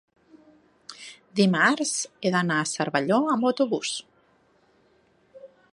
dimarts he d'anar a Cervelló amb autobús.